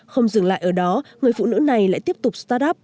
không dừng lại ở đó người phụ nữ này lại tiếp tục start up